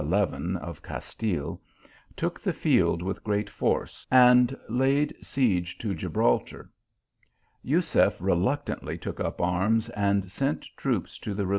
of Castile, took the field with great force, and laid siege to Gibraltar. Jusef reluctantly took up arms, and sent troops to the re 800 THE AL1IAMB11A.